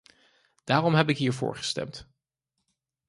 Daarom heb ik hier voor gestemd.